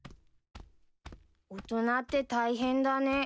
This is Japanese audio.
大人って大変だね。